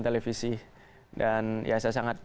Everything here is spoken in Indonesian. televisi dan ya saya sangat